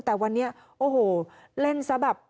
แต่วันนี้โอ้โหเล่นซะแบบ